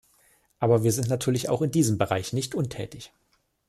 Aber wir sind natürlich auch in diesem Bereich nicht untätig.